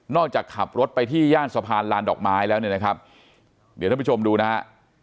จากขับรถไปที่ย่านสะพานลานดอกไม้แล้วเนี่ยนะครับเดี๋ยวท่านผู้ชมดูนะฮะ